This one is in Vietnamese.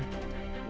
bị cáo hải nói